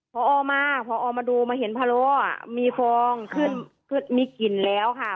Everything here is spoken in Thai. พอมาพอมาดูมาเห็นพะโลมีฟองขึ้นมีกลิ่นแล้วค่ะ